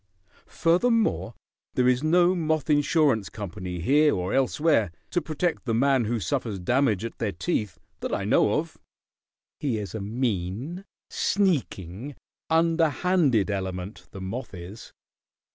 Furthermore, there is no moth insurance company here or elsewhere to protect the man who suffers damage at their teeth, that I know of. "He is a mean, sneaking, underhanded element, the moth is.